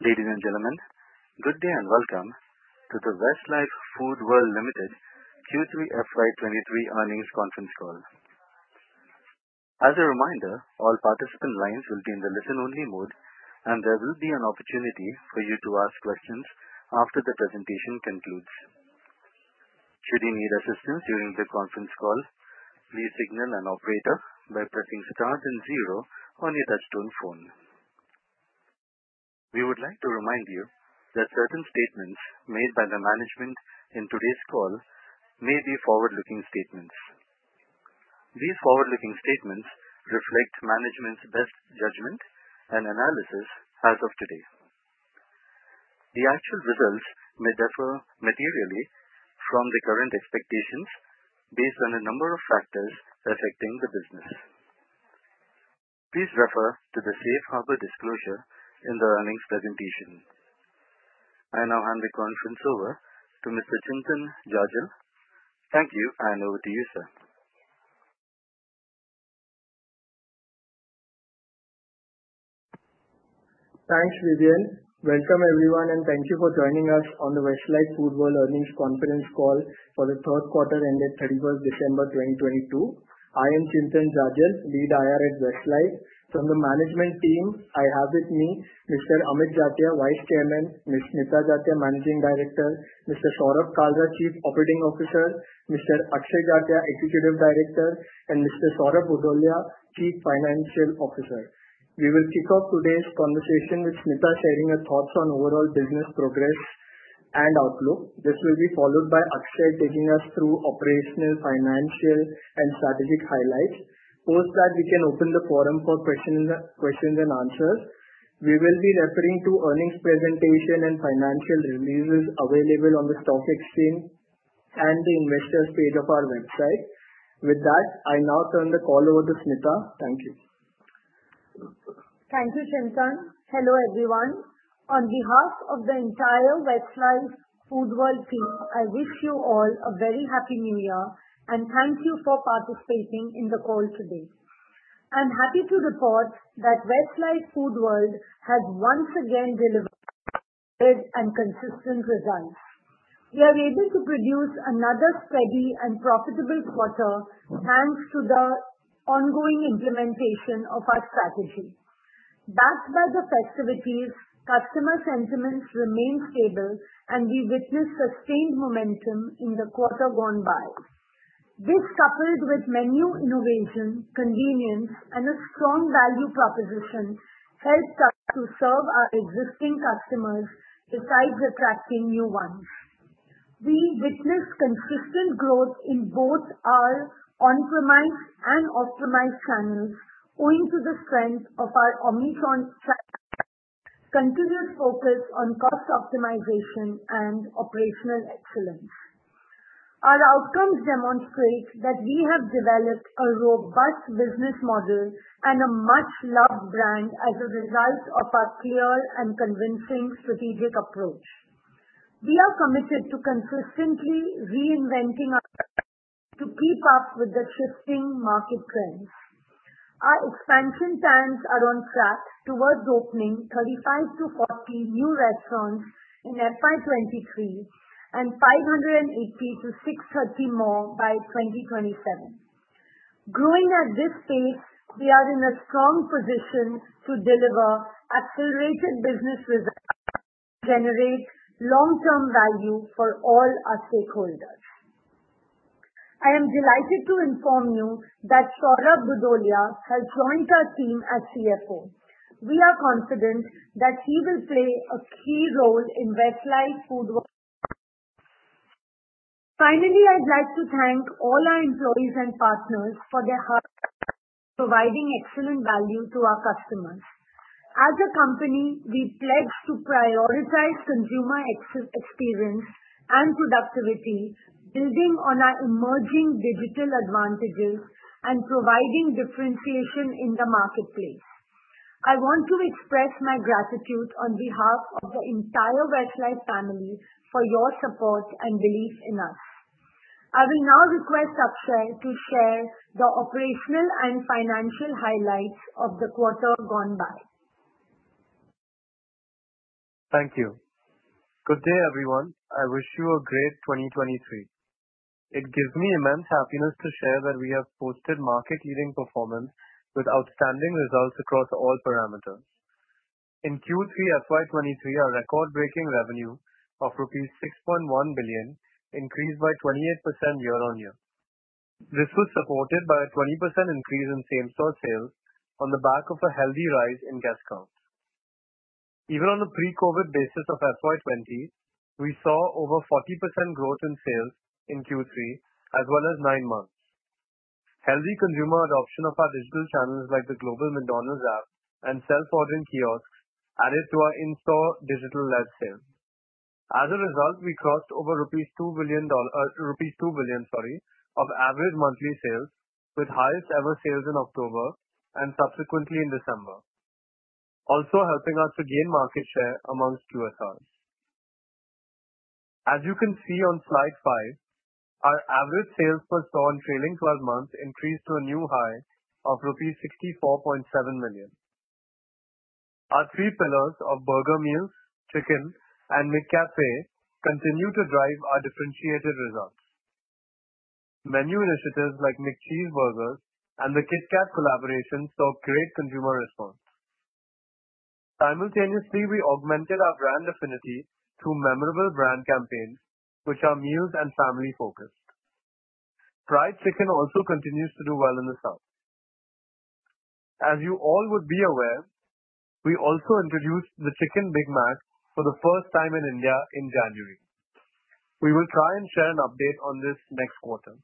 Ladies and gentlemen, good day and welcome to the Westlife Foodworld Limited Q3 FY 2023 Earnings Conference Call. As a reminder, all participant lines will be in the listen-only mode. There will be an opportunity for you to ask questions after the presentation concludes. Should you need assistance during the conference call, please signal an operator by pressing star and zero on your touchtone phone. We would like to remind you that certain statements made by the management in today's call may be forward-looking statements. These forward-looking statements reflect management's best judgment and analysis as of today. The actual results may differ materially from the current expectations based on a number of factors affecting the business. Please refer to the Safe Harbor disclosure in the earnings presentation. I now hand the conference over to Mr. Chintan Jajal. Thank you. Over to you, sir. Thanks Vivian. Welcome everyone and thank you for joining us on the Westlife Foodworld Earnings Conference Call for the third quarter ended 31st December 2022. I am Chintan Jajal, Lead IR at Westlife. From the management team, I have with me Mr. Amit Jatia, Vice Chairman, Ms. Smita Jatia, Managing Director, Mr. Saurabh Kalra, Chief Operating Officer, Mr. Akshay Jatia, Executive Director, and Mr. Saurabh Bhudolia, Chief Financial Officer. We will kick off today's conversation with Smita sharing her thoughts on overall business progress and outlook. This will be followed by Akshay taking us through operational, financial, and strategic highlights. Post that, we can open the forum for question, questions and answers. We will be referring to earnings presentation and financial releases available on the stock exchange and the investor page of our website. With that, I now turn the call over to Smita. Thank you. Thank you Chintan. Hello everyone. On behalf of the entire Westlife Foodworld team, I wish you all a very happy new year and thank you for participating in the call today. I'm happy to report that Westlife Foodworld has once again delivered and consistent results. We are able to produce another steady and profitable quarter, thanks to the ongoing implementation of our strategy. Backed by the festivities, customer sentiments remain stable, and we witness sustained momentum in the quarter gone by. This, coupled with menu innovation, convenience, and a strong value proposition, helps us to serve our existing customers, besides attracting new ones. We witness consistent growth in both our on-premise and off-premise channels, owing to the strength of our omnichannel, continuous focus on cost optimization and operational excellence. Our outcomes demonstrate that we have developed a robust business model and a much-loved brand as a result of our clear and convincing strategic approach. We are committed to consistently reinventing our to keep up with the shifting market trends. Our expansion plans are on track towards opening 35-40 new restaurants in FY 2023 and 580-630 more by 2027. Growing at this pace, we are in a strong position to deliver accelerated business results generate long-term value for all our stakeholders. I am delighted to inform you that Saurabh Bhudolia has joined our team as CFO. We are confident that he will play a key role in Westlife Foodworld. Finally, I'd like to thank all our employees and partners for their hard providing excellent value to our customers. As a company, we pledge to prioritize consumer experience and productivity, building on our emerging digital advantages and providing differentiation in the marketplace. I want to express my gratitude on behalf of the entire Westlife family for your support and belief in us. I will now request Akshay to share the operational and financial highlights of the quarter gone by. Thank you. Good day everyone. I wish you a great 2023. It gives me immense happiness to share that we have posted market-leading performance with outstanding results across all parameters. In Q3 FY 2023, our record-breaking revenue of rupees 6.1 billion increased by 28% year-over-year. This was supported by a 20% increase in same-store sales on the back of a healthy rise in guest counts. Even on the pre-COVID basis of FY 2020, we saw over 40% growth in sales in Q3 as well as nine months. Healthy consumer adoption of our digital channels, like the global McDonald's app and self-ordering kiosks, added to our in-store digital ad sales. As a result, we crossed over rupees 2 billion, sorry, of average monthly sales, with highest ever sales in October and subsequently in December, also helping us to gain market share amongst QSRs. As you can see on slide five, our average sales per store in trailing 12 months increased to a new high of rupees 64.7 million. Our three pillars of burger meals, chicken, and McCafé continue to drive our differentiated results. Menu initiatives like McCheese Burgers and the KITKAT collaboration saw great consumer response. Simultaneously, we augmented our brand affinity through memorable brand campaigns which are meals and family-focused. Fried chicken also continues to do well in the south. As you all would be aware, we also introduced the Chicken Big Mac for the first time in India in January. We will try and share an update on this next quarter.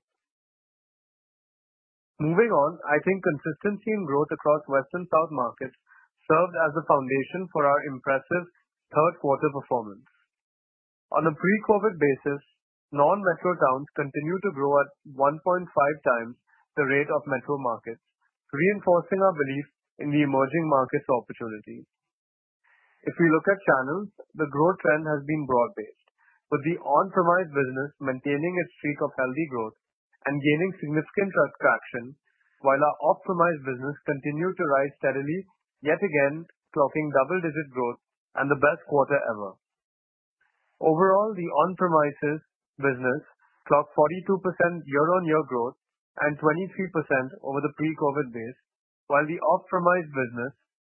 Moving on, I think consistency in growth across west and south markets served as a foundation for our impressive third quarter performance. On a pre-COVID basis, non-metro towns continue to grow at 1.5x the rate of metro markets, reinforcing our belief in the emerging markets opportunity. If we look at channels, the growth trend has been broad-based, with the on-premise business maintaining its streak of healthy growth and gaining significant traction, while our off-premise business continued to rise steadily, yet again clocking double-digit growth and the best quarter ever. Overall, the on-premises business clocked 42% year-on-year growth and 23% over the pre-COVID base, while the off-premise business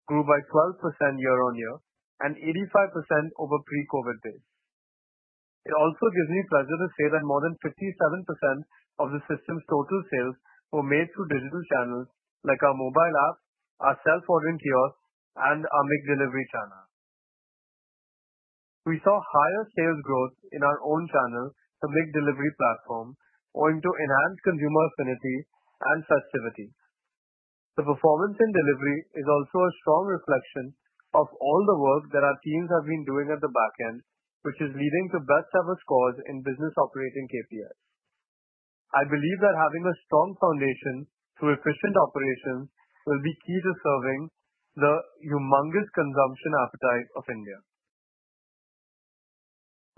grew by 12% year-on-year and 85% over pre-COVID base. It also gives me pleasure to say that more than 57% of the system's total sales were made through digital channels, like our mobile app, our self-ordering kiosks, and our McDelivery channel. We saw higher sales growth in our own channel, the McDelivery platform, owing to enhanced consumer affinity and such activity. The performance in delivery is also a strong reflection of all the work that our teams have been doing at the back end, which is leading to best-ever scores in business operating KPIs. I believe that having a strong foundation through efficient operations will be key to serving the humongous consumption appetite of India.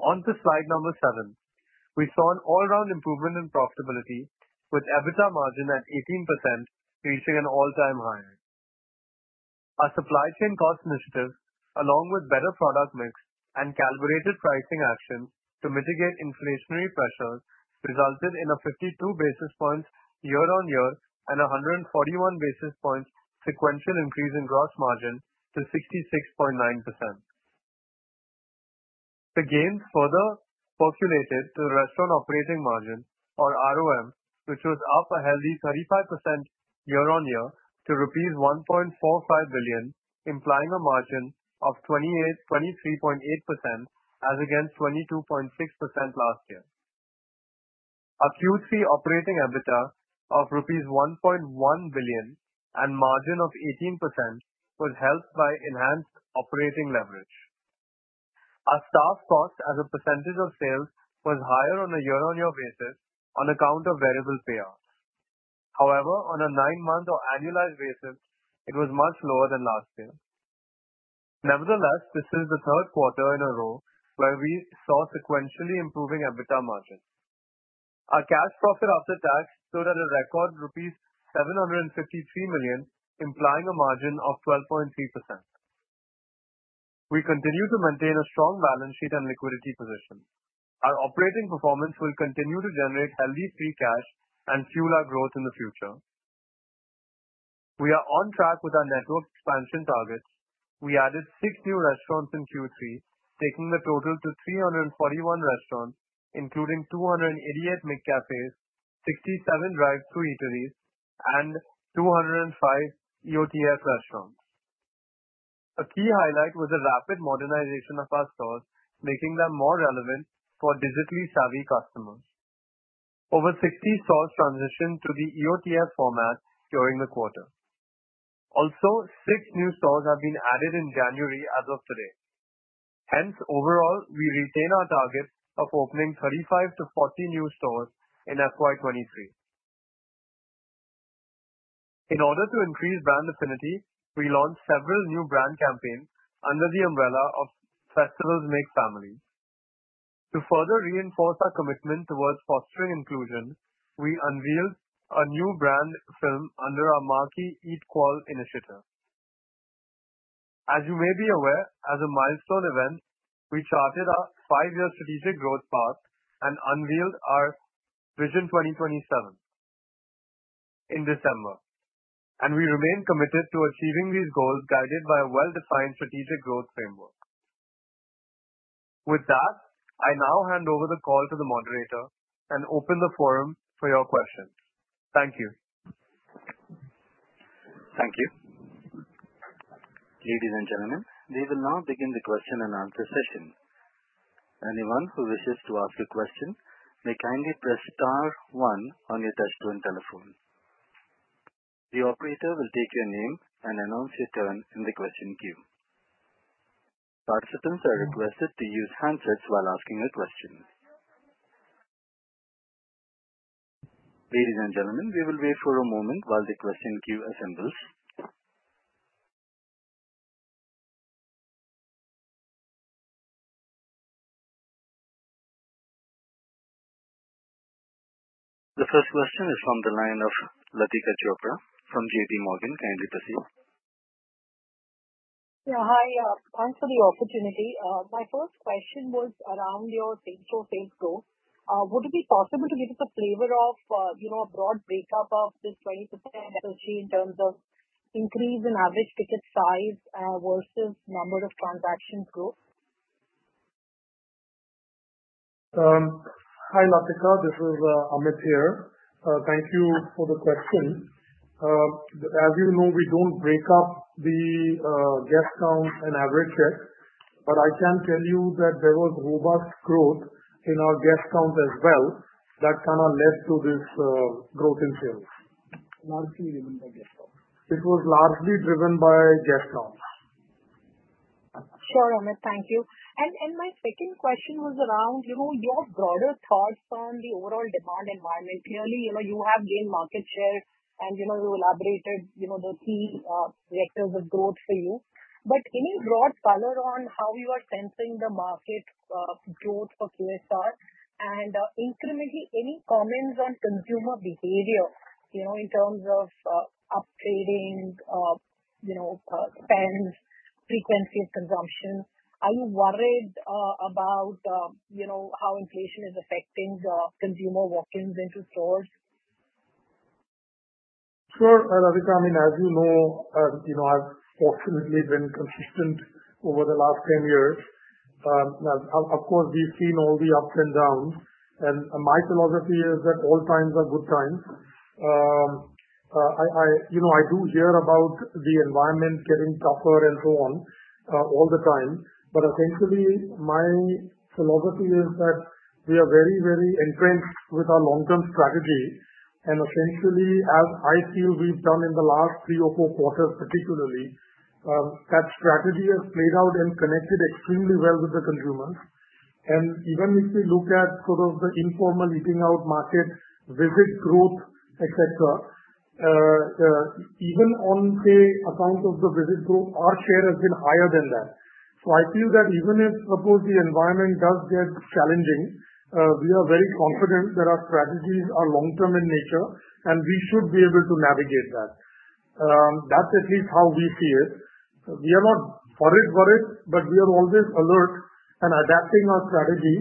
On to slide number seven. We saw an all-around improvement in profitability with EBITDA margin at 18%, reaching an all-time high. Our supply chain cost initiative, along with better product mix and calibrated pricing actions to mitigate inflationary pressures, resulted in a 52 basis points year-on-year and 141 basis points sequential increase in gross margin to 66.9%. The gains further populated to the restaurant operating margin or ROM, which was up a healthy 35% year-on-year to rupees 1.45 billion, implying a margin of 23.8% as against 22.6% last year. Our Q3 operating EBITDA of rupees 1.1 billion and margin of 18% was helped by enhanced operating leverage. Our staff cost as a percentage of sales was higher on a year-on-year basis on account of variable payouts. On a nine-month or annualized basis, it was much lower than last year. Nevertheless, this is the third quarter in a row where we saw sequentially improving EBITDA margins. Our cash profit after tax stood at a record rupees 753 million, implying a margin of 12.3%. We continue to maintain a strong balance sheet and liquidity position. Our operating performance will continue to generate healthy free cash and fuel our growth in the future. We are on track with our network expansion targets. We added six new restaurants in Q3, taking the total to 341 restaurants, including 288 McCafés, 67 drive-through eateries, and 205 EOTF restaurants. A key highlight was the rapid modernization of our stores, making them more relevant for digitally savvy customers. Over 60 stores transitioned to the EOTF format during the quarter. Six new stores have been added in January as of today. Hence, overall, we retain our target of opening 35-40 new stores in FY 2023. In order to increase brand affinity, we launched several new brand campaigns under the umbrella of Festivals Make Families. To further reinforce our commitment towards fostering inclusion, we unveiled a new brand film under our marquee EatQual initiative. As you may be aware, as a milestone event, we charted our five-year strategic growth path and unveiled our Vision 2027 in December, and we remain committed to achieving these goals, guided by a well-defined strategic growth framework. With that, I now hand over the call to the moderator and open the forum for your questions. Thank you. Thank you. Ladies and gentlemen, we will now begin the question and answer session. Anyone who wishes to ask a question may kindly press star one on your touchtone telephone. The operator will take your name and announce your turn in the question queue. Participants are requested to use handsets while asking a question. Ladies and gentlemen, we will wait for a moment while the question queue assembles. The first question is from the line of Latika Chopra from JPMorgan. Kindly proceed. Yeah, Hi. Thanks for the opportunity. My first question was around your Same-Store Sales Growth. Would it be possible to give us a flavor of, you know, a broad breakup of this 20% LFL in terms of increase in average ticket size, versus number of transactions growth? Hi, Latika. This is Amit here. Thank you for the question. As you know, we don't break up the guest count and average check, but I can tell you that there was robust growth in our guest count as well that kind of led to this growth in sales. Largely driven by guest count. It was largely driven by guest count. Sure, Amit. Thank you. My second question was around, you know, your broader thoughts on the overall demand environment. Clearly, you know, you have gained market share and, you know, you elaborated, you know, the key vectors of growth for you. Any broad color on how you are sensing the market growth for QSR and incrementally any comments on consumer behavior, you know, in terms of upgrading, you know, spends, frequency of consumption. Are you worried about, you know, how inflation is affecting consumer walk-ins into stores? Sure, Latika. I mean, as you know, I've fortunately been consistent over the last 10 years. Of course, we've seen all the ups and downs, my philosophy is that all times are good times. I, you know, I do hear about the environment getting tougher and so on, all the time, essentially, my philosophy is that we are very, very entrenched with our long-term strategy. Essentially, as I feel we've done in the last three or four quarters particularly, that strategy has played out and connected extremely well with the consumers. Even if you look at sort of the informal eating out market, visit growth, et cetera, even on, say, account of the visit growth, our share has been higher than that. I feel that even if, suppose, the environment does get challenging, we are very confident that our strategies are long-term in nature, and we should be able to navigate that. That's at least how we see it. We are not worried, but we are always alert and adapting our strategy,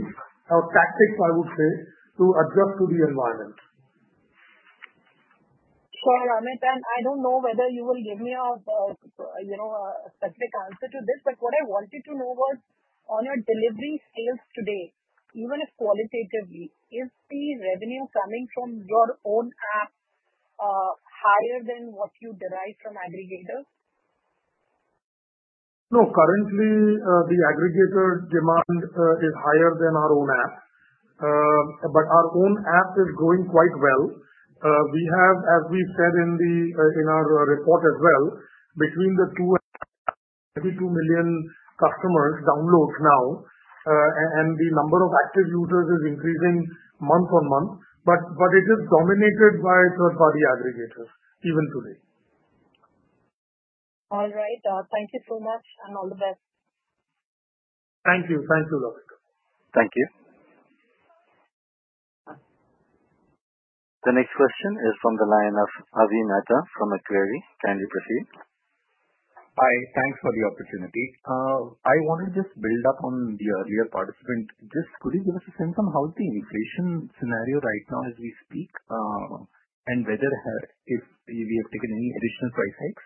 our tactics I would say, to adjust to the environment. Sure Amit, I don't know whether you will give me a, you know, a specific answer to this, but what I wanted to know was on your delivery sales today, even if qualitatively, is the revenue coming from your own app, higher than what you derive from aggregators? No. Currently, the aggregator demand is higher than our own app. Our own app is growing quite well. As we said in the in our report as well, between the two maybe two million customers downloads now. The number of active users is increasing month-on-month. It is dominated by sort of the aggregators even today. All right. Thank you so much, and all the best. Thank you. Thank you, Latika. Thank you. The next question is from the line of Avi Mehta from Macquarie. Kindly proceed. Hi. Thanks for the opportunity. I want to just build up on the earlier participant. Just could you give us a sense on how is the inflation scenario right now as we speak, and whether, if, we have taken any additional price hikes?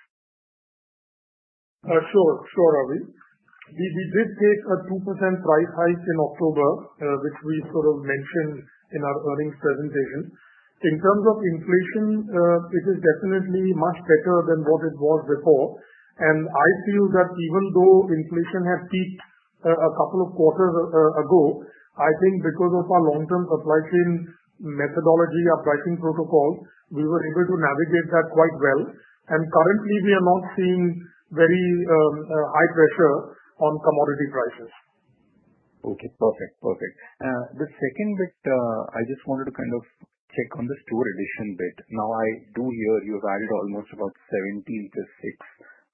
Sure. Sure, Avi. We did take a 2% price hike in October, which we sort of mentioned in our earnings presentation. In terms of inflation, it is definitely much better than what it was before. I feel that even though inflation has peaked a couple of quarters ago, I think because of our long-term supply chain methodology or pricing protocol, we were able to navigate that quite well. Currently, we are not seeing very high pressure on commodity prices. Okay, perfect. Perfect. The second bit, I just wanted to kind of check on the store addition bit. Now, I do hear you've added almost about 17 to six,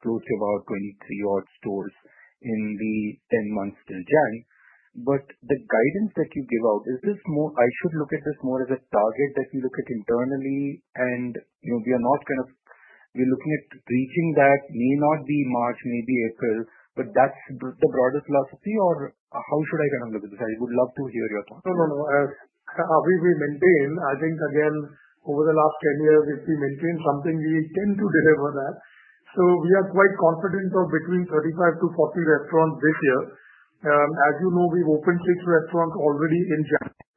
close to about 23 odd stores in the 10 months till January. The guidance that you gave out, is this more I should look at this more as a target that you look at internally and, you know, We're looking at reaching that may not be March, may be April, but that's the broader philosophy or how should I kind of look at this? I would love to hear your thoughts. No, no. As Avi, we maintain, I think again, over the last 10 years, if we maintain something, we tend to deliver that. We are quite confident of between 35-40 restaurants this year. As you know, we've opened 6 restaurants already in January.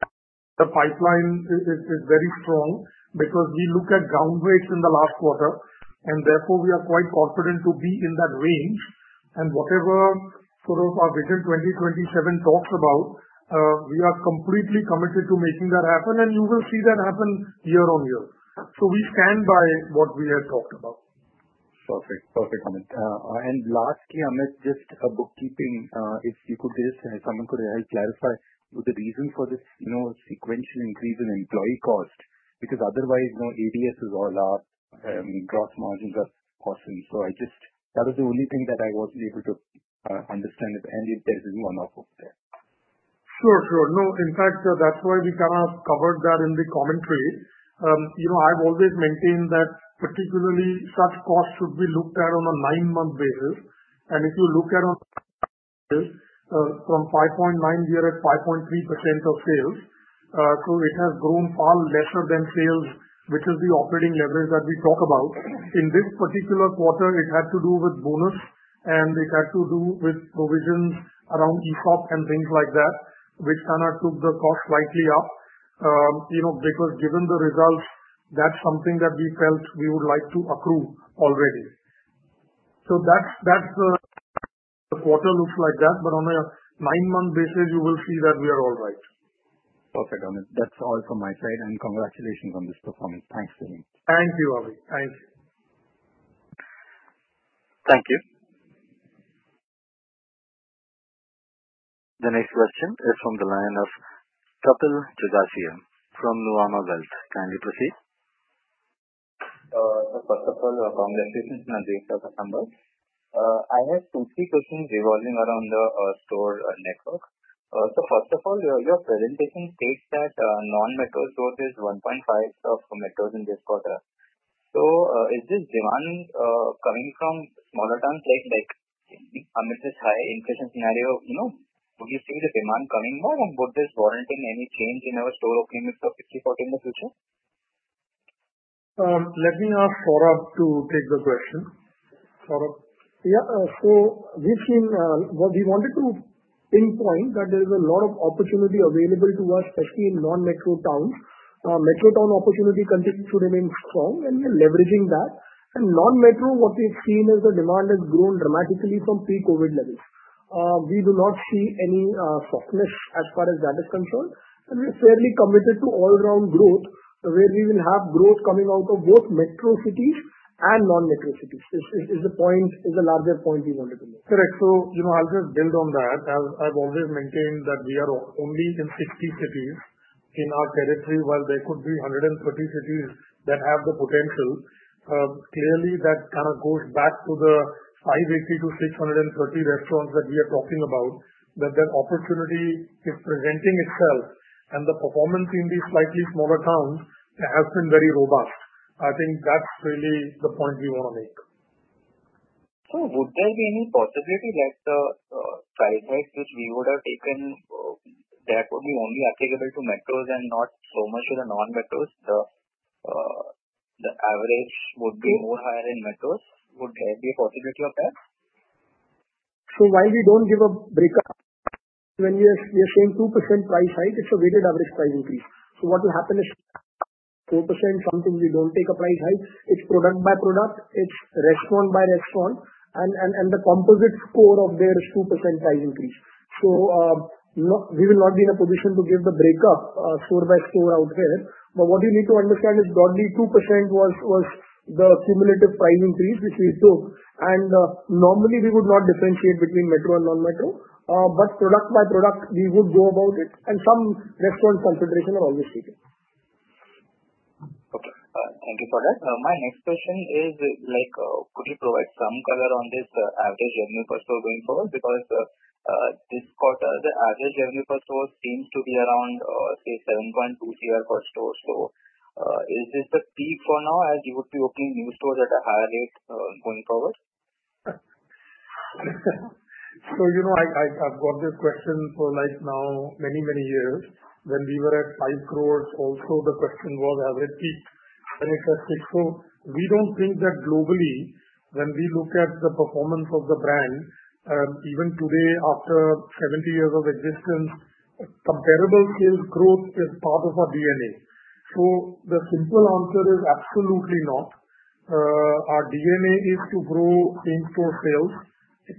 The pipeline is very strong because we look at ground breaks in the last quarter and therefore we are quite confident to be in that range. Whatever sort of our Vision 2027 talks about, we are completely committed to making that happen and you will see that happen year-on-year. We stand by what we have talked about. Perfect. Perfect, Amit. Lastly, Amit, just a bookkeeping, if you could just, if someone could help clarify the reason for this, you know, sequential increase in employee cost, because otherwise no ADS is all up and gross margins are awesome. That is the only thing that I wasn't able to understand and if there's any runoff over there. Sure, sure. In fact, that's why we kind of covered that in the commentary. You know, I've always maintained that particularly such costs should be looked at on a nine-month basis. If you look at it, from 5.9 we are at 5.3% of sales. It has grown far lesser than sales, which is the operating leverage that we talk about. In this particular quarter, it had to do with bonus, and it had to do with provisions around ESOP and things like that, which kind of took the cost slightly up, you know, because given the results, that's something that we felt we would like to accrue already. That's, the quarter looks like that, on a nine-month basis you will see that we are all right. Perfect, Amit. That's all from my side. Congratulations on this performance. Thanks to you. Thank you, Avi. Thank you. Thank you. The next question is from the line of Kapil Jagasia from Nuvama Wealth. Kindly proceed. First of all, congratulations on the excellent numbers. I have two, three questions revolving around the store network. First of all, your presentation states that non-metro store is 1.5 sub from metros in this quarter. Is this demand coming from smaller towns like Amit said, high inflation scenario, you know? Would you see this demand coming more and would this warranting any change in our store openings of 50/40 in the future? Let me ask Saurabh to take the question. Saurabh? Yeah. We've seen what we wanted to pinpoint that there is a lot of opportunity available to us, especially in non-metro towns. Metro town opportunity continues to remain strong and we are leveraging that. In non-metro what we've seen is the demand has grown dramatically from pre-COVID levels. We do not see any softness as far as that is concerned, and we're fairly committed to all around growth where we will have growth coming out of both metro cities and non-metro cities. It's the point, is the larger point we wanted to make. Correct. You know, I'll just build on that. I've always maintained that we are only in 60 cities in our territory while there could be 130 cities that have the potential. Clearly that kind of goes back to the 580-630 restaurants that we are talking about, that opportunity is presenting itself and the performance in these slightly smaller towns has been very robust. I think that's really the point we wanna make. Would there be any possibility that the price hike which we would have taken, that would be only applicable to metros and not so much to the non-metros? The average would be more higher in metros. Would there be a possibility of that? While we don't give a breakup, when we are saying 2% price hike, it's a weighted average price increase. What will happen is 2% sometimes we don't take a price hike. It's product by product, it's restaurant by restaurant, and the composite score of there is 2% price increase. No, we will not be in a position to give the breakup store by store out here. What you need to understand is broadly 2% was the cumulative price increase which we took. Normally we would not differentiate between metro and non-metro, but product by product, we would go about it and some restaurant consideration are always taken. Okay. Thank you for that. My next question is, like, could you provide some color on this average revenue per store going forward? This quarter the average revenue per store seems to be around, say 7.2 CR per store. Is this the peak for now as you would be opening new stores at a higher rate going forward? You know, I've got this question for like now many, many years. When we were at 5 crore also the question was, have we peaked? It has peaked. We don't think that globally when we look at the performance of the brand, even today after 70 years of existence, comparable sales growth is part of our DNA. The simple answer is absolutely not. Our DNA is to grow in-store sales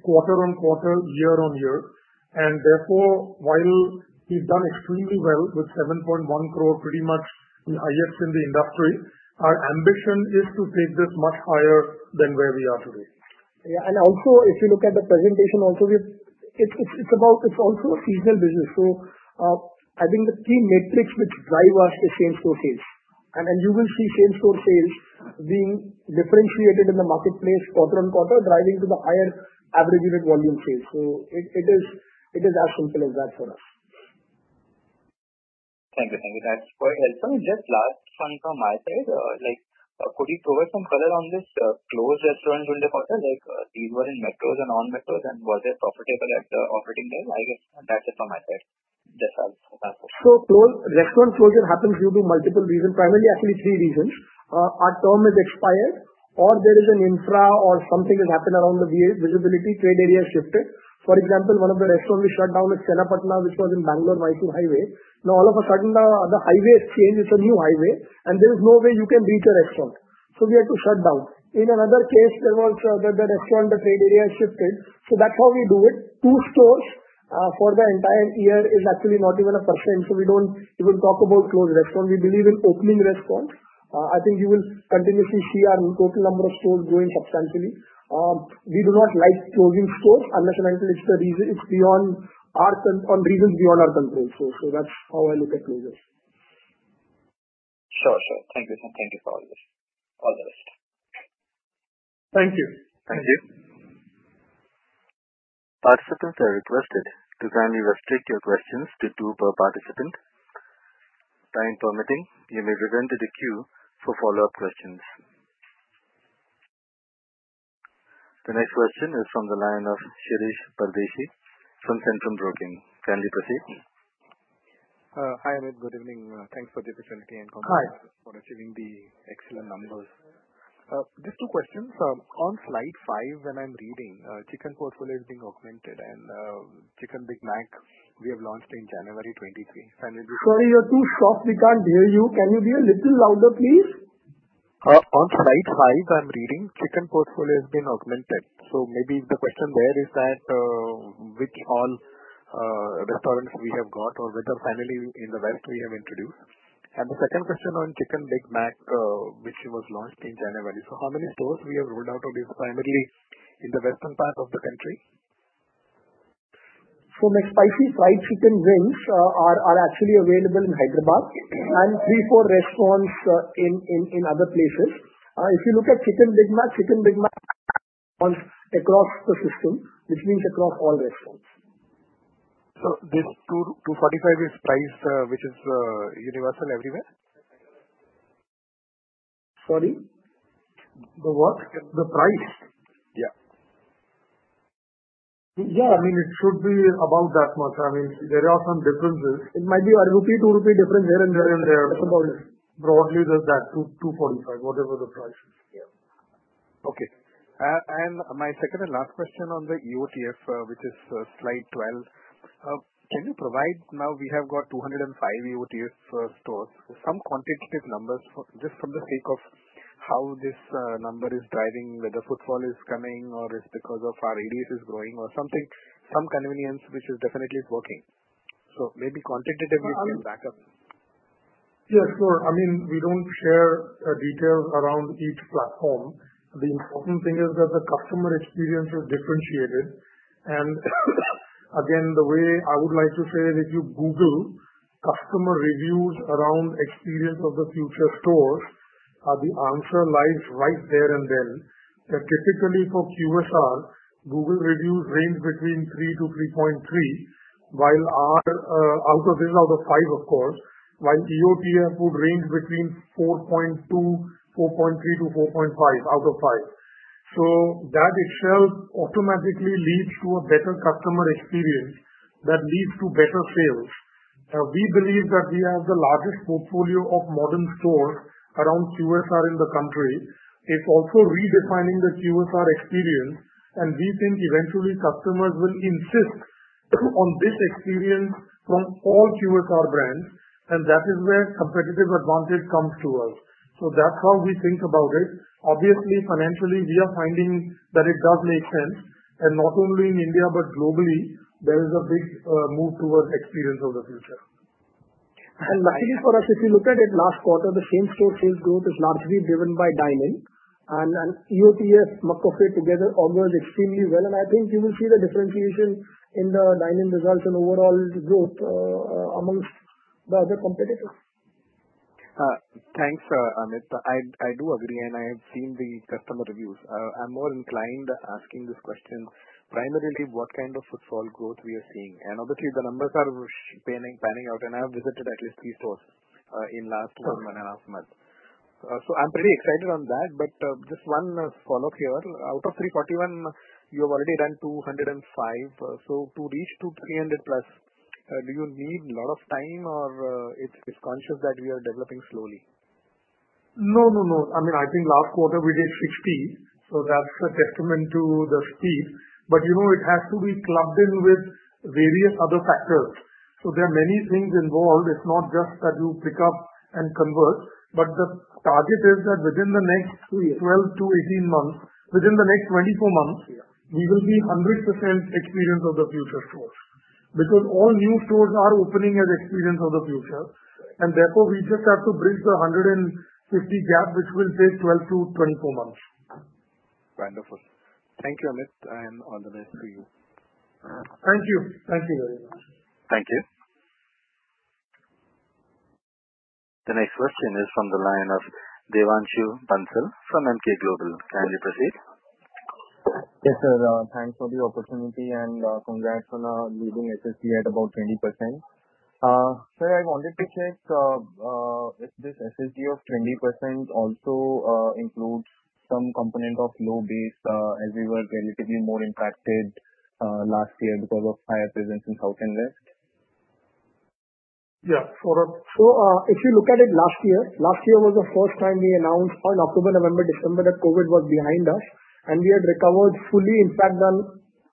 quarter-on-quarter, year-on-year, and therefore while we've done extremely well with 7.1 crore pretty much the highest in the industry, our ambition is to take this much higher than where we are today. Also if you look at the presentation also, it's about, it's also a seasonal business. I think the key metrics which drive us is same-store sales. You will see same-store sales being differentiated in the marketplace quarter-on-quarter driving to the higher aggregated volume sales. It is as simple as that for us. Thank you. Thank you. That's quite helpful. Just last one from my side. like, could you provide some color on this, closed restaurant during the quarter, like, these were in metros and non-metros, and was it profitable at operating level? I guess that's it from my side. That's all. Close, restaurant closure happens due to multiple reasons. Primarily actually three reasons. Our term is expired or there is an infra or something has happened around the visibility, trade area has shifted. For example, one of the restaurant we shut down is Channapatna, which was in Bangalore Y2 highway. All of a sudden now the highway has changed, it's a new highway and there is no way you can reach a restaurant, so we had to shut down. In another case, there was the restaurant, the trade area has shifted. That's how we do it. Two stores, for the entire year is actually not even 1%, so we don't even talk about closed restaurants. We believe in opening restaurants. I think you will continuously see our total number of stores growing substantially. We do not like closing stores unless and until it's the reason, on reasons beyond our control. That's how I look at closures. Sure. Thank you for all this. All the best. Thank you. Thank you. Participants are requested to kindly restrict your questions to two per participant. Time permitting, you may re-enter the queue for follow-up questions. The next question is from the line of Shirish Pardeshi from Centrum Broking. Kindly proceed. Hi Amit, good evening. Thanks for the opportunity. Hi. congrats for achieving the excellent numbers. Just two questions. On slide five, when I'm reading, chicken portfolio is being augmented and Chicken Big Mac we have launched in January 2023. Sorry, you're too soft, we can't hear you. Can you be a little louder, please? On slide five, I'm reading chicken portfolio has been augmented. Maybe the question there is that which all restaurants we have got or whether finally in the West we have introduced. The second question on Chicken Big Mac, which was launched in January. How many stores we have rolled out, or is it primarily in the western part of the country? My spicy fried chicken wings are actually available in Hyderabad and three, four restaurants, in other places. If you look at Chicken Big Mac, Chicken Big Mac runs across the system, which means across all restaurants. This 245 is price, which is universal everywhere? Sorry. The what? The price? Yeah. Yeah. I mean, it should be about that much. I mean, there are some differences. It might be 1 rupee, 2 rupee difference here and there. Here and there. That's about it. Broadly that, 2, 245, whatever the price is. Yeah. Okay. My second and last question on the EOTF, which is slide 12. Can you provide now we have got 205 EOTF stores. Some quantitative numbers for just from the sake of how this number is driving, whether footfall is coming or it's because of our ADT is growing or something, some convenience which is definitely working. Maybe quantitatively you can back up. Yes, sure. I mean, we don't share details around each platform. The important thing is that the customer experience is differentiated. Again, the way I would like to say it, if you Google customer reviews around Experience of the Future stores, the answer lies right there and then. That typically for QSR, Google reviews range between 3-3.3, while our out of this, out of five, of course, while EOTF would range between 4.2, 4.3-4.5 out of five. That itself automatically leads to a better customer experience that leads to better sales. We believe that we have the largest portfolio of modern stores around QSR in the country. It's also redefining the QSR experience. We think eventually customers will insist on this experience from all QSR brands, and that is where competitive advantage comes to us. That's how we think about it. Obviously, financially, we are finding that it does make sense. Not only in India, but globally there is a big move towards Experience of the Future. Luckily for us, if you look at it last quarter, the Same-Store Sales Growth is largely driven by dining and EOTF, muck of it together, augurs extremely well. I think you will see the differentiation in the dining results and overall growth amongst the other competitors. Thanks, Amit. I do agree, and I have seen the customer reviews. I'm more inclined asking this question primarily what kind of footfall growth we are seeing. Obviously the numbers are panning out, and I have visited at least three stores in last one and a half months. I'm pretty excited on that. Just one follow-up here. Out of 341, you have already done 205. To reach to 300+, do you need lot of time or it's conscious that we are developing slowly? No, no. I mean, I think last quarter we did 60, so that's a testament to the speed. You know, it has to be clubbed in with various other factors. There are many things involved. It's not just that you pick up and convert, but the target is that within the next 12 to 18 months, within the next 24 months. Yeah. We will be 100% Experience of the Future stores. Because all new stores are opening as Experience of the Future, and therefore we just have to bridge the 150 gap, which will take 12-24 months. Wonderful. Thank you, Amit, and all the best to you. Thank you. Thank you very much. Thank you. The next question is from the line of Devanshu Bansal from Emkay Global. Kindly proceed. Yes, sir. Thanks for the opportunity and congrats on leading SSSG at about 20%. Sir, I wanted to check if this SSSG of 20% also includes some component of low base as we were relatively more impacted last year because of higher presence in South and West. Yeah. If you look at it last year, last year was the first time we announced on October, November, December that COVID was behind us and we had recovered fully, in fact, done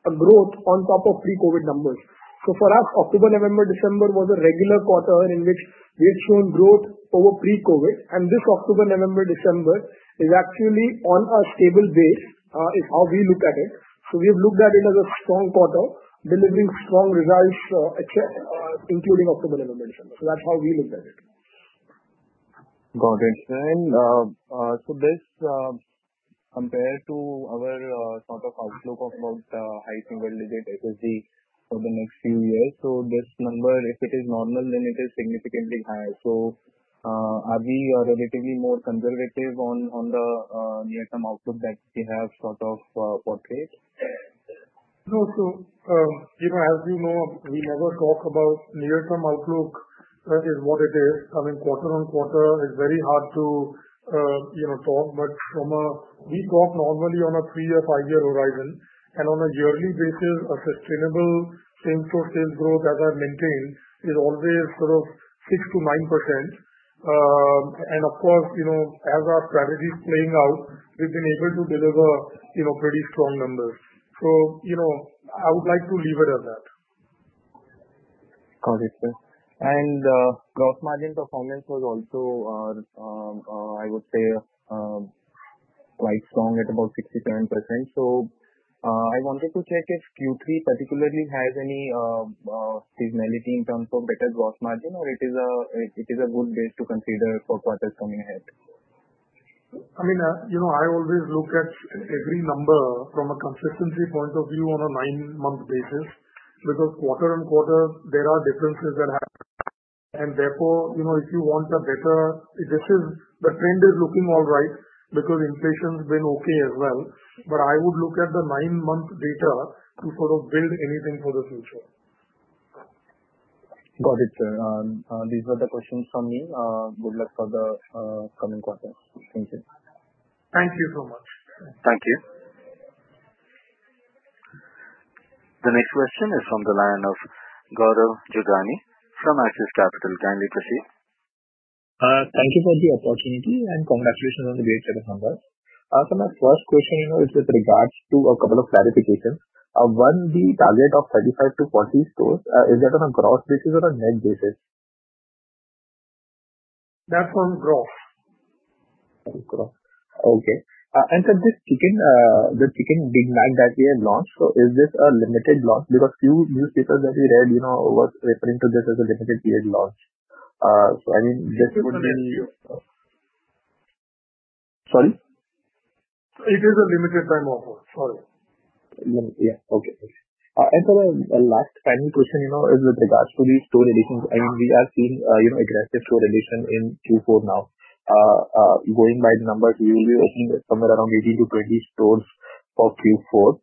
a growth on top of pre-COVID numbers. For us, October, November, December was a regular quarter in which we had shown growth over pre-COVID. This October, November, December is actually on a stable base, is how we look at it. We have looked at it as a strong quarter delivering strong results, except, including October, November, December. That's how we look at it. Got it. This compared to our sort of outlook of about high single digit SSSG for the next few years. This number, if it is normal, then it is significantly high. Are we relatively more conservative on the near-term outlook that we have sort of portrayed? No. You know, as you know, we never talk about near-term outlook. That is what it is. I mean, quarter on quarter, it's very hard to, you know, talk. We talk normally on a three-year, five-year horizon. On a yearly basis, a sustainable same-store sales growth, as I've maintained, is always sort of 6%-9%. Of course, you know, as our strategy is playing out, we've been able to deliver, you know, pretty strong numbers. You know, I would like to leave it at that. Got it, sir. gross margin performance was also I would say quite strong at about 67%. I wanted to check if Q3 particularly has any seasonality in terms of better gross margin or it is a good base to consider for quarters coming ahead? I mean, you know, I always look at every number from a consistency point of view on a nine-month basis because quarter-on-quarter there are differences that happen. Therefore, you know, if you want a better. The trend is looking all right because inflation's been okay as well. I would look at the nine-month data to sort of build anything for the future. Got it, sir. These were the questions from me. Good luck for the coming quarters. Thank you. Thank you so much. Thank you. The next question is from the line of Gaurav Jugrani from Axis Capital. Kindly proceed. Thank you for the opportunity and congratulations on the great set of numbers. My first question is with regards to a couple of clarifications. One, the target of 35-40 stores, is that on a gross basis or a net basis? That's on gross. Gross. Okay. Sir, this chicken, the Chicken Big Mac that we had launched. Is this a limited launch? There were few newspapers that we read, you know, was referring to this as a limited period launch. It is a limited. Sorry. It is a limited time offer. Sorry. Yeah. Okay. Sir a last final question, you know, is with regards to the store relations. I mean, we are seeing, you know, aggressive store relation in Q4 now. Going by the numbers, we will be opening somewhere around 18-20 stores for Q4.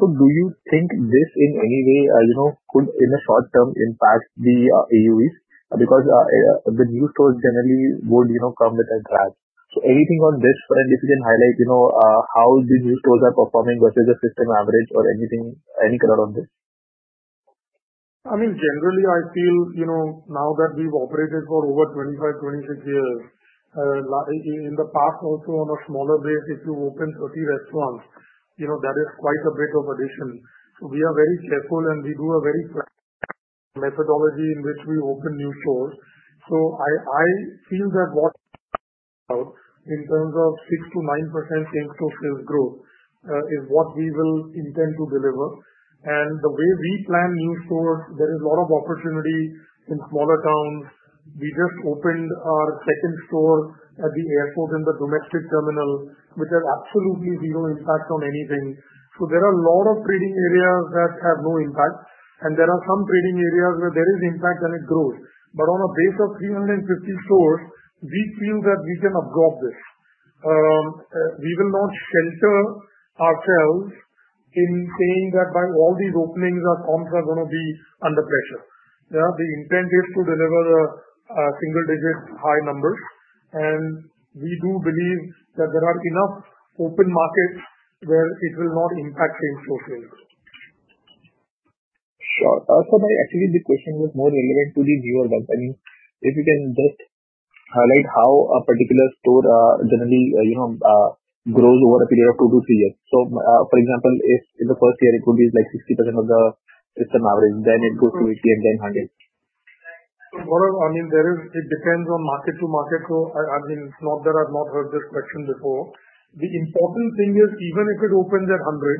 Do you think this in any way, you know, could in the short term impact the AUVs? Because the new stores generally would, you know, come with a drag. Anything on this front, if you can highlight, you know, how the new stores are performing versus the system average or anything, any color on this? I mean, generally I feel, you know, now that we've operated for over 25, 26 years, in the past also on a smaller base if you open 30 restaurants, you know, that is quite a bit of addition. We are very careful and we do a very methodology in which we open new stores. I feel that what in terms of 6%-9% Same-Store Sales Growth is what we will intend to deliver. The way we plan new stores, there is a lot of opportunity in smaller towns. We just opened our second store at the airport in the domestic terminal, which has absolutely zero impact on anything. There are a lot of trading areas that have no impact and there are some trading areas where there is impact and it grows. On a base of 350 stores, we feel that we can absorb this. We will not shelter ourselves in saying that by all these openings our comps are gonna be under pressure. The intent is to deliver a single-digit high numbers. We do believe that there are enough open markets where it will not impact same-store sales. Sure. My actually the question was more relevant to the newer bunch. I mean, if you can just highlight how a particular store, generally, you know, grows over a period of two to three years? For example, if in the first year it could be like 60% of the system average, then it goes to 80 and then 100. Gaurav, I mean, there is, it depends on market to market. I mean, it's not that I've not heard this question before. The important thing is even if it opened at 100 crore,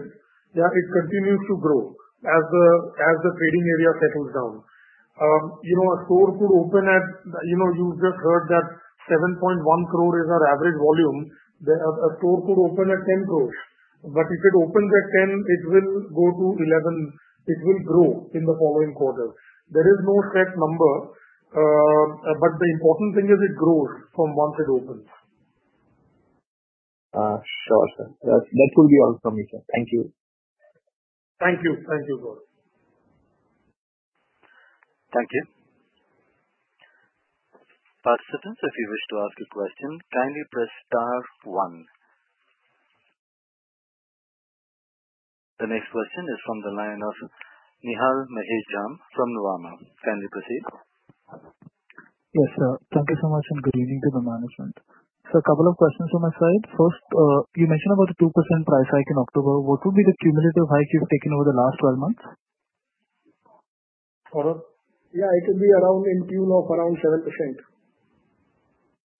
yeah, it continues to grow as the trading area settles down. You know, a store could open at, you know, you've just heard that 7.1 crore is our average volume. A store could open at 10 crore. If it opened at 10 crore, it will go to 11 crore. It will grow in the following quarters. There is no set number. The important thing is it grows from once it opens. Sure, sir. That will be all from me, sir. Thank you. Thank you. Thank you, Gaurav. Thank you. Participants, if you wish to ask a question, kindly press star one. The next question is from the line of Nihal Mahesh Jham from Nuvama. Kindly proceed. Yes, sir. Thank you so much and good evening to the management. A couple of questions from my side. First, you mentioned about the 2% price hike in October. What would be the cumulative hike you've taken over the last 12 months? Pardon? Yeah, it will be around in tune of around 7%.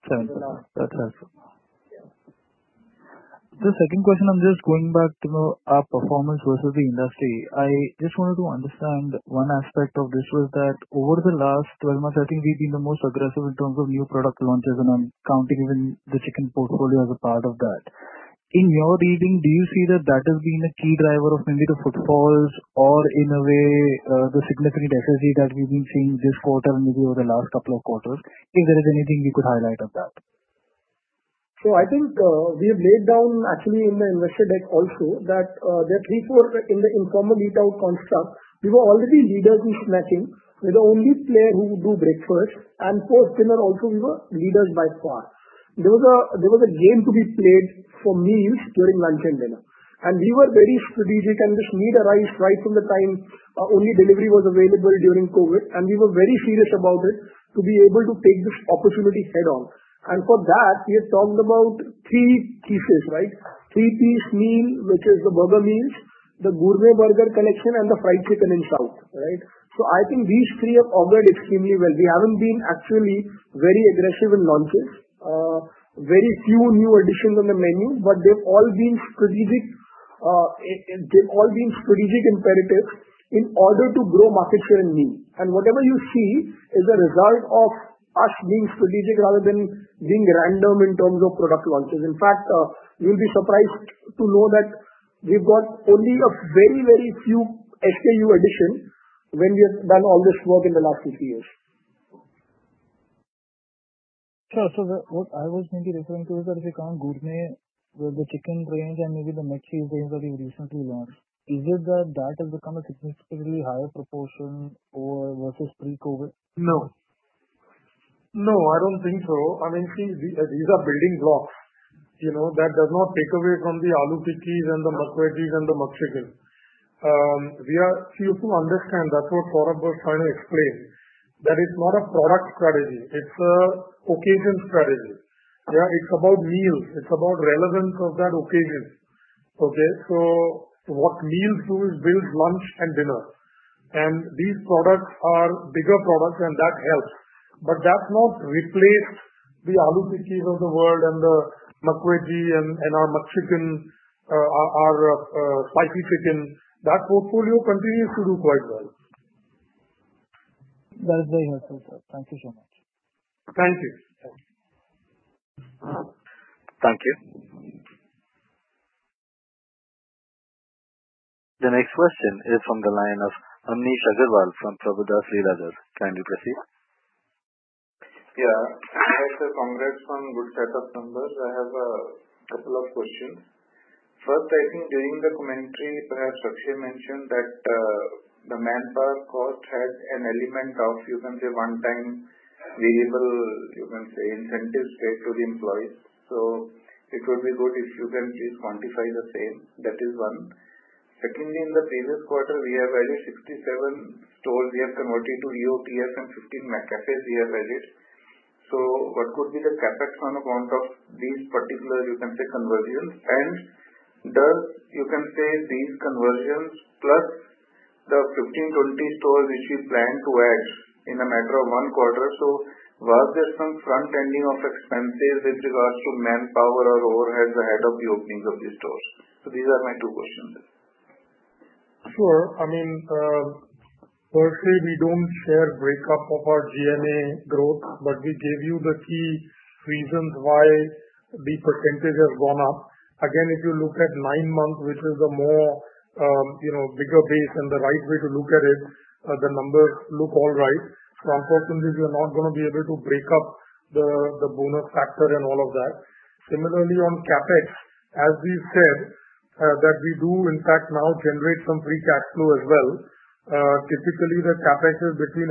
7%. That's helpful. The second question, I'm just going back to our performance versus the industry. I just wanted to understand one aspect of this was that over the last 12 months, I think we've been the most aggressive in terms of new product launches, and I'm counting even the chicken portfolio as a part of that. In your reading, do you see that that has been a key driver of maybe the footfalls or in a way, the significant SSSG that we've been seeing this quarter and maybe over the last couple of quarters, if there is anything you could highlight of that. I think, we have laid down actually in the investor deck also that, there are three core in the informal eat-out construct. We were already leaders in snacking. We're the only player who do breakfast and post dinner also we were leaders by far. There was a game to be played for meals during lunch and dinner, and we were very strategic, and this need arise right from the time, only delivery was available during COVID, and we were very serious about it to be able to take this opportunity head-on. For that, we had talked about three pieces, right? Three piece meal, which is the burger meals, the Gourmet Burger Collection, and the fried chicken in South, right? I think these three have augured extremely well. We haven't been actually very aggressive in launches. Very few new additions on the menu, but they've all been strategic, they've all been strategic imperatives in order to grow market share in meals. Whatever you see is a result of us being strategic rather than being random in terms of product launches. In fact, you'll be surprised to know that we've got only a very few SKU additions when we have done all this work in the last 50 years. Sure. What I was maybe referring to is that if you count gourmet with the chicken range and maybe the McSpicy Mexican that you've recently launched, is it that that has become a significantly higher proportion or versus pre-COVID? No, I don't think so. I mean, see, these are building blocks. You know, that does not take away from the McAloo Tikkis and the Makki ki and the McChicken. You have to understand, that's what Saurabh was trying to explain, that it's not a product strategy, it's a occasion strategy. Yeah, it's about meals, it's about relevance of that occasion. Okay? What meals do is build lunch and dinner. These products are bigger products, and that helps. That's not replaced the McAloo Tikki of the world and the Makki ki and our McChicken, our spicy chicken. That portfolio continues to do quite well. That is very helpful, sir. Thank you so much. Thank you. Thank you. The next question is from the line of Amnish Aggarwal from Prabhudas Lilladher. Kind you proceed. Yeah. Hi, sir. Congrats on good set of numbers. I have a couple of questions. First, I think during the commentary, perhaps Akshay mentioned that the manpower cost had an element of, you can say, 1-time variable, you can say, incentive paid to the employees. It would be good if you can please quantify the same. That is one. Secondly, in the previous quarter, we have added 67 stores we have converted to EOTs and 15 McCafés we have added. What could be the CapEx on account of these particular, you can say, conversions? Does, you can say, these conversions plus the 15, 20 stores which you plan to add in a macro 1 quarter. Was there some front-ending of expenses with regards to manpower or overheads ahead of the openings of these stores? These are my two questions. Sure. I mean, firstly, we don't share break up of our G&A growth, we gave you the key reasons why the % has gone up. If you look at nine months, which is the more, you know, bigger base and the right way to look at it, the numbers look all right. Unfortunately, we are not gonna be able to break up the bonus factor and all of that. Similarly, on CapEx, as we said, that we do in fact now generate some free cash flow as well. Typically the CapEx is between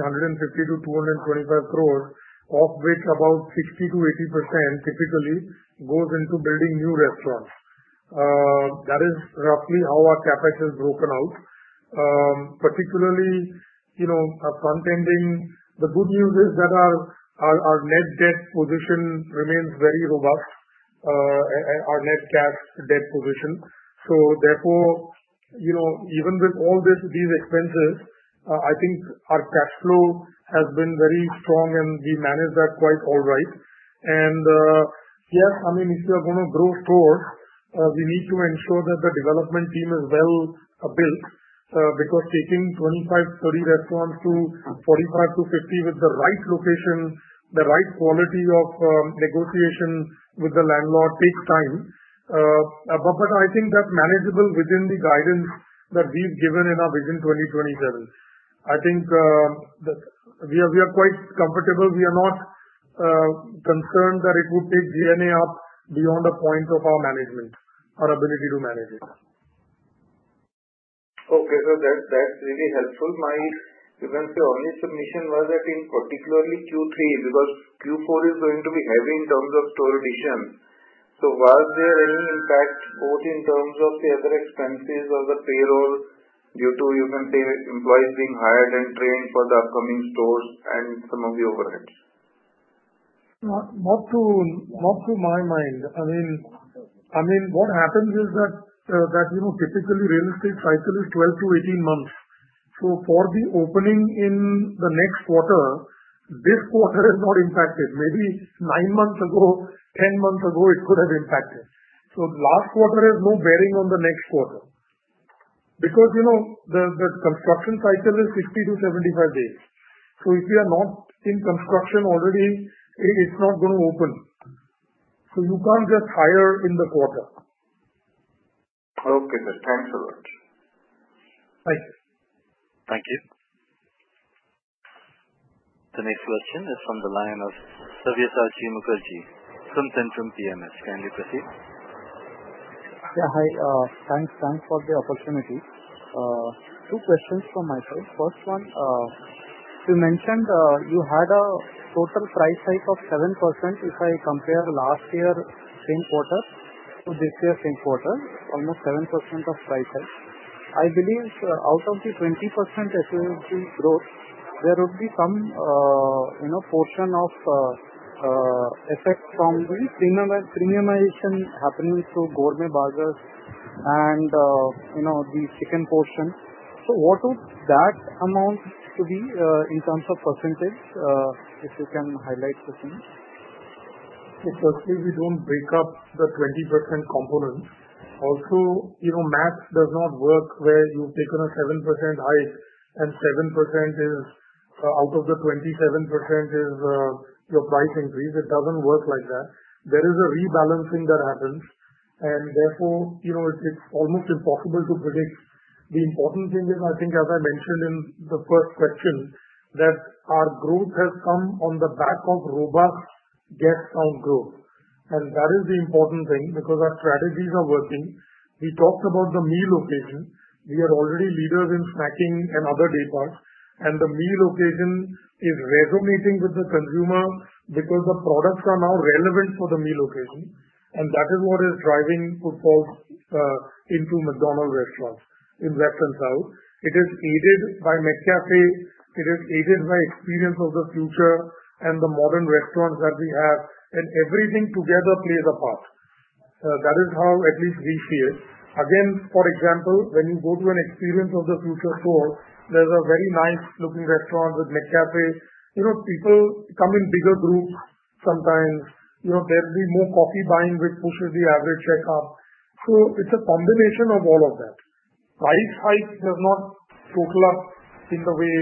150 crores to 225 crores, of which about 60%-80% typically goes into building new restaurants. That is roughly how our CapEx is broken out. Particularly, you know, front-ending, the good news is that our net debt position remains very robust, and our net cash debt position. Therefore, you know, even with all this these expenses, I think our cash flow has been very strong and we manage that quite all right. Yes, I mean, if you are gonna grow stores, we need to ensure that the development team is well built, because taking 25, 30 restaurants to 45-50 with the right location, the right quality of negotiation with the landlord takes time. But I think that's manageable within the guidance that we've given in our Vision 2027. I think that we are quite comfortable. We are not concerned that it would take G&A up beyond the point of our management or ability to manage it. Okay, sir. That's really helpful. My, you can say, only submission was that in particularly Q3, because Q4 is going to be heavy in terms of store addition. Was there any impact both in terms of the other expenses or the payroll due to, you can say, employees being hired and trained for the upcoming stores and some of the overheads? Not to my mind. I mean, what happens is that, you know, typically real estate cycle is 12-18 months. For the opening in the next quarter, this quarter is not impacted. Maybe nine months ago, 10 months ago, it could have impacted. Last quarter has no bearing on the next quarter. You know, the construction cycle is 60-75 days. If you are not in construction already, it is not gonna open. You can't just hire in the quarter. Okay, sir. Thanks a lot. Thank you. Thank you. The next question is from the line of Sabyasachi Mukherjee from Centrum PMS. Kindly proceed. Yeah, Hi. Thanks, thanks for the opportunity. Two questions from my side. First one, you mentioned, you had a total price hike of 7% if I compare last year same quarter to this year same quarter, almost 7% of price hike. I believe out of the 20% SSSG growth, there would be some, you know, portion of, effect from the premiumization happening through gourmet burgers and, you know, the chicken portion. What would that amount to be, in terms of percentage, if you can highlight the same? Look, Sabyasachi, we don't break up the 20% components. Also, you know, math does not work where you've taken a 7% hike and 7% is out of the 27% is your price increase. It doesn't work like that. There is a rebalancing that happens, and therefore, you know, it's almost impossible to predict. The important thing is, I think as I mentioned in the first question, that our growth has come on the back of robust guest count growth. That is the important thing, because our strategies are working. We talked about the meal occasion. We are already leaders in snacking and other day parts, and the meal occasion is resonating with the consumer because the products are now relevant for the meal occasion, and that is what is driving footfalls into McDonald's restaurants in west and south. It is aided by McCafé, it is aided by experience of the future and the modern restaurants that we have, and everything together plays a part. That is how at least we see it. Again, for example, when you go to an experience of the future store, there's a very nice-looking restaurant with McCafé. You know, people come in bigger groups sometimes. You know, there'd be more coffee buying, which pushes the average check up. It's a combination of all of that. Price hike does not total up in the way,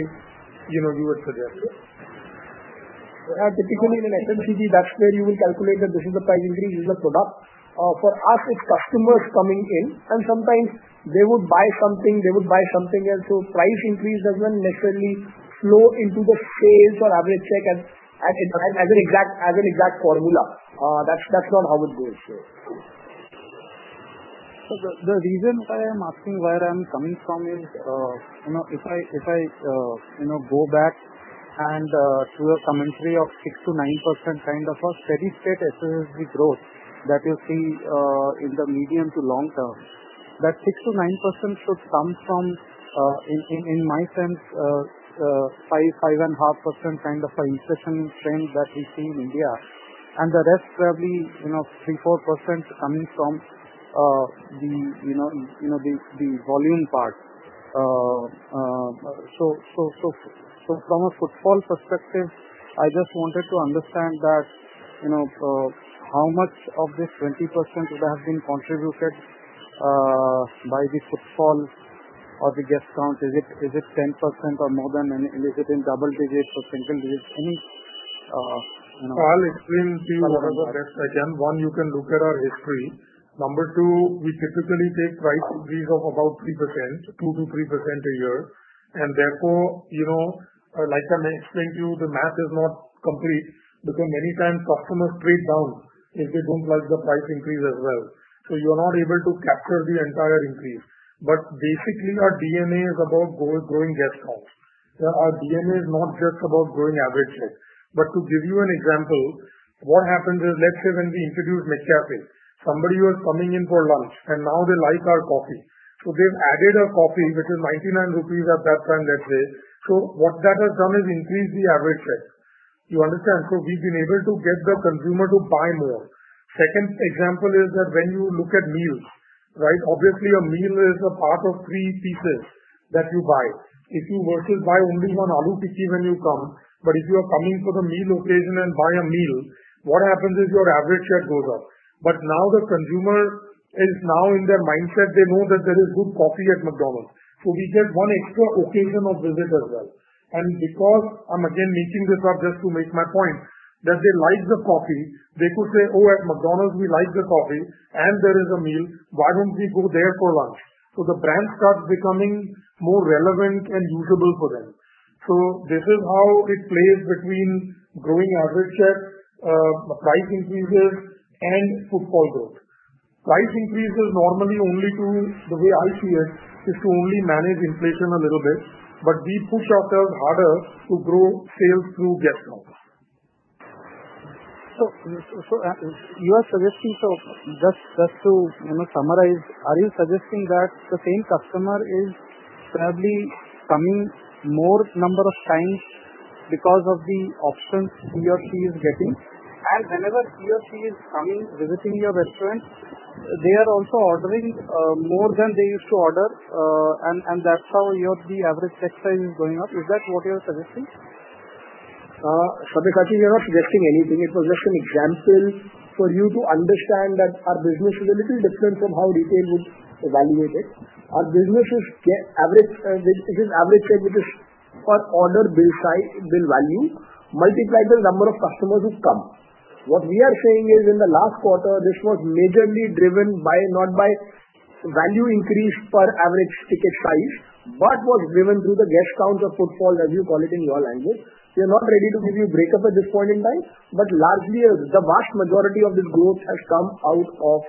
you know, you would suggest it. Particularly in an FMCG, that's where you will calculate that this is the price increase, this is the product. For us, it's customers coming in, and sometimes they would buy something, they would buy something else, so price increase doesn't necessarily flow into the sales or average check as an exact formula. That's not how it goes here. The reason why I'm asking, where I'm coming from is, you know, if I, you know, go back and to your commentary of 6%-9% kind of a steady state SSSG growth that you see in the medium to long term, that 6%-9% should come from in my sense, 5.5% kind of a inflation trend that we see in India. The rest probably, you know, 3%-4% coming from the, you know, the volume part. From a footfall perspective, I just wanted to understand that, you know, how much of this 20% would have been contributed by the footfall or the guest count. Is it 10% or more than, and is it in double digits or single digits? you know I'll explain to you what the rest I can. One, you can look at our history. Number two, we typically take price increase of about 3%, 2%-3% a year. Therefore, you know, like I explained to you, the math is not complete because many times customers trade down if they don't like the price increase as well. You're not able to capture the entire increase. Basically, our DNA is about growing guest counts. Our DNA is not just about growing average sales. To give you an example, what happens is, let's say when we introduce McCafé, somebody who is coming in for lunch, and now they like our coffee. They've added a coffee, which is 99 rupees at that time, let's say. What that has done is increase the average check. You understand? We've been able to get the consumer to buy more. Second example is that when you look at meals, right? Obviously, a meal is a part of three pieces that you buy. If you were to buy only one McAloo Tikki when you come, but if you are coming for the meal occasion and buy a meal, what happens is your average check goes up. Now the consumer is now in their mindset, they know that there is good coffee at McDonald's, so we get one extra occasion of visit as well. Because, I'm again making this up just to make my point, that they like the coffee, they could say, "Oh, at McDonald's we like the coffee and there is a meal. Why don't we go there for lunch?" The brand starts becoming more relevant and usable for them. This is how it plays between growing average check, price increases and footfall growth. Price increase is normally only to, the way I see it, is to only manage inflation a little bit, but we push ourselves harder to grow sales through guest count. You are suggesting, just to, you know, summarize, are you suggesting that the same customer is probably coming more number of times because of the options he or she is getting, and whenever he or she is coming, visiting your restaurant, they are also ordering more than they used to order? That's how the average check size is going up. Is that what you're suggesting? Sabyasachi, we are not suggesting anything. It was just an example for you to understand that our business is a little different from how retail would evaluate it. Our business is average, this is average check, which is per order bill value multiplied by the number of customers who come. What we are saying is in the last quarter, this was majorly driven by, not by value increase per average ticket size, but was driven through the guest count of footfall, as you call it in your language. We are not ready to give you a breakup at this point in time, but largely, the vast majority of this growth has come out of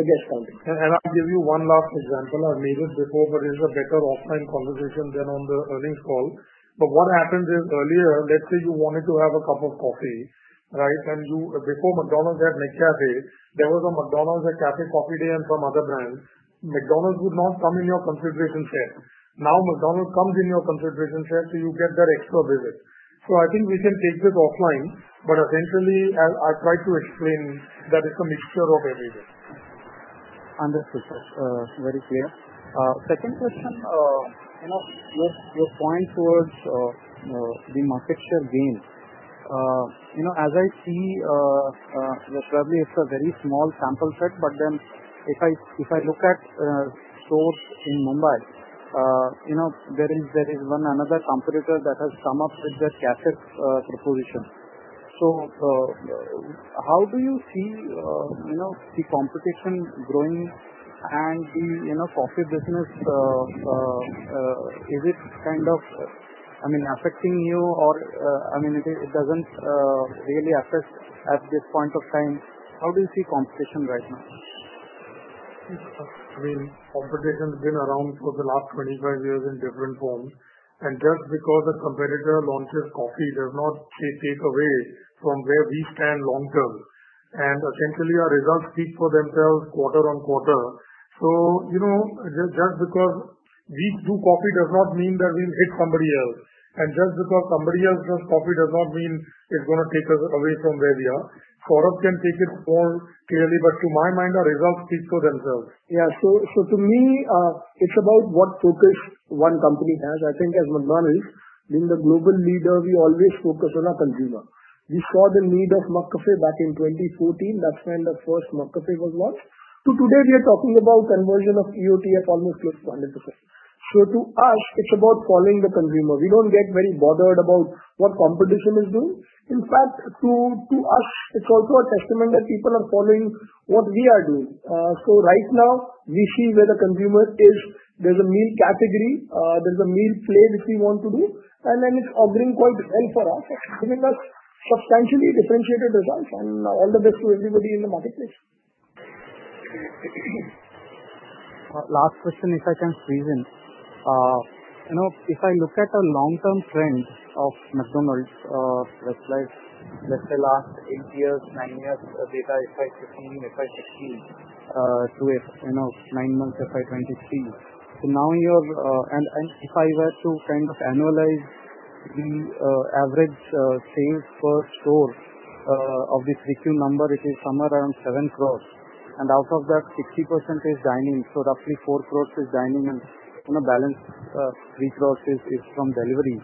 the guest count. I'll give you one last example. I've made it before, but this is a better offline conversation than on the earnings call. What happens is earlier, let's say you wanted to have a cup of coffee, right? Before McDonald's had McCafé, there was a McDonald's at Café Coffee Day and some other brands. McDonald's would not come in your consideration set. Now McDonald's comes in your consideration set, so you get that extra visit. I think we can take this offline, essentially I'll try to explain that it's a mixture of everything. Understood, sir very clear. Second question, you know, your point towards the market share gain. You know, as I see, probably it's a very small sample set, if I, if I look at stores in Mumbai, you know, there is one another competitor that has come up with the cafe proposition. How do you see, you know, the competition growing and the, you know, coffee business, is it kind of, I mean, affecting you or, I mean, it doesn't really affect at this point of time? How do you see competition right now? I mean, competition's been around for the last 25 years in different forms, just because a competitor launches coffee does not take away from where we stand long term. Essentially our results speak for themselves quarter on quarter. You know, just because we do coffee does not mean that we'll hit somebody else. Just because somebody else does coffee does not mean it's gonna take us away from where we are. Saurabh can take it more clearly, to my mind, our results speak for themselves. Yeah. To me, it's about what focus one company has. I think as McDonald's, being the global leader, we always focus on our consumer. We saw the need of McCafé back in 2014. That's when the first McCafé was launched. Till today we are talking about conversion of EOTF almost close to 100%. To us, it's about following the consumer. We don't get very bothered about what competition is doing. In fact, to us, it's also a testament that people are following what we are doing. Right now we see where the consumer is. There's a meal category, there's a meal play which we want to do, it's a greenfield well for us. I think that's substantially differentiated results and all the best to everybody in the marketplace. Last question, if I can squeeze in. You know, if I look at a long-term trend of McDonald's, Westlife, let's say last eight years, nine years data, FY 2016 to, you know, nine months, FY 2023. If I were to kind of annualize the average sales per store of this TQ number, it is somewhere around 7 crores. Out of that, 60% is dining. Roughly 4 crores is dining and, you know, balance 3 crores is from delivery.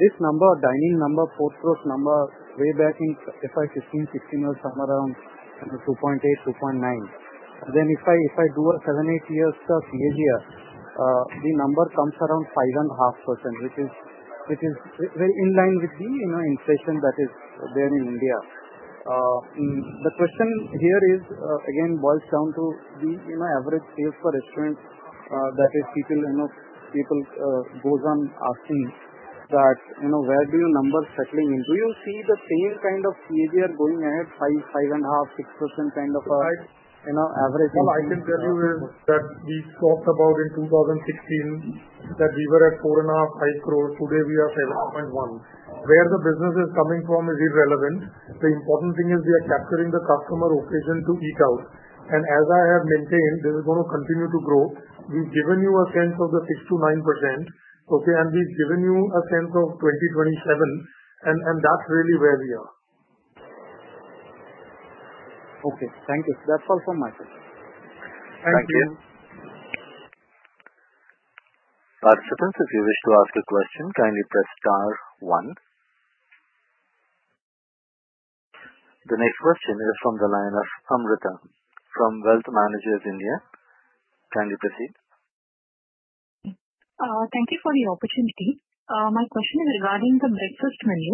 This number, dining number, 4 crores number way back in FY16 was somewhere around, you know, 2.8 crores, 2.9 crores. If I do a seven to eight years CAGR, the number comes around 5.5%, which is very in line with the, you know, inflation that is there in India. The question here is, again, boils down to the, you know, average sales per restaurant, that is people, you know, goes on asking that, you know, where do your numbers settling in? Do you see the same kind of CAGR going ahead, 5%, 5.5%, 6% kind of. Right. You know. All I can tell you is that we talked about in 2016 that we were at 4.5 crores, 5 crores. Today we are 7.1 crores. Where the business is coming from is irrelevant. The important thing is we are capturing the customer occasion to eat out. As I have maintained, this is gonna continue to grow. We've given you a sense of the 6%-9%, okay? We've given you a sense of 2027, and that's really where we are. Okay thank you. That's all from my side. Thank you. Thank you. Participants, if you wish to ask a question, kindly press star one. The next question is from the line of Amrita from Wealth Managers India. Kindly proceed. Thank you for the opportunity. My question is regarding the breakfast menu,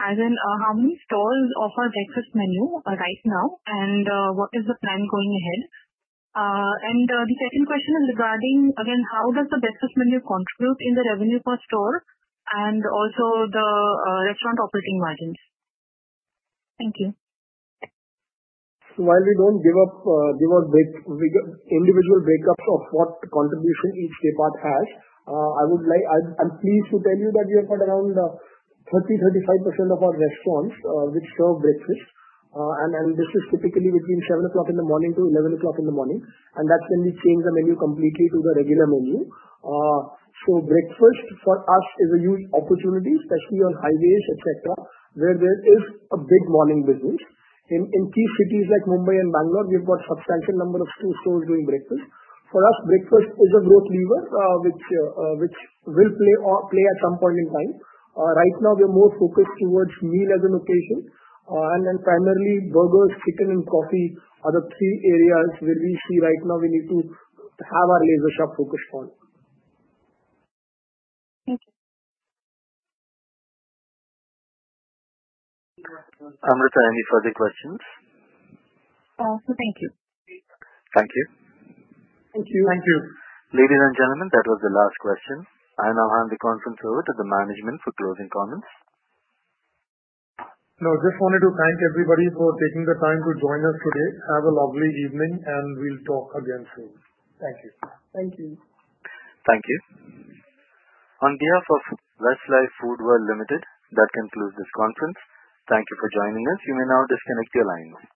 as in, how many stores offer breakfast menu right now, and what is the plan going ahead? The second question is regarding again, how does the breakfast menu contribute in the revenue per store and also the restaurant operating margins? Thank you. While we don't give up, we give individual breakups of what contribution each department has, I'm pleased to tell you that we have got around 30-35% of our restaurants which serve breakfast. This is typically between 7:00 A.M. to 11:00 A.M., and that's when we change the menu completely to the regular menu. Breakfast for us is a huge opportunity, especially on highways, et cetera, where there is a big morning business. In key cities like Mumbai and Bangalore, we've got substantial number of stores doing breakfast. For us, breakfast is a growth lever which will play at some point in time. Right now we are more focused towards meal as an occasion. Primarily burgers, chicken and coffee are the three areas where we see right now we need to have our laser sharp focus on. Thank you. Amrita, any further questions? Thank you. Thank you. Thank you. Thank you. Ladies and gentlemen, that was the last question. I now hand the conference over to the management for closing comments. No, just wanted to thank everybody for taking the time to join us today. Have a lovely evening, and we'll talk again soon. Thank you. Thank you. Thank you. On behalf of Westlife Foodworld Limited, that concludes this conference. Thank you for joining us. You may now disconnect your lines.